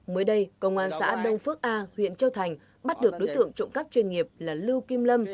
mới đây công an xã đông phước a huyện châu thành bắt được đối tượng trộm cắp chuyên nghiệp là lưu kim lâm